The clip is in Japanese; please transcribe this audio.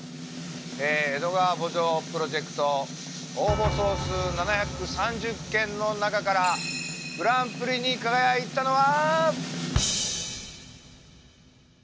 「江戸川慕情プロジェクト」応募総数７３０件の中からグランプリに輝いたのは！